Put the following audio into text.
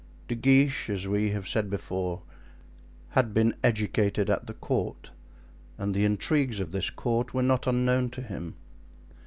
De Guiche, as we have said before, had been educated at the court, and the intrigues of this court were not unknown to him.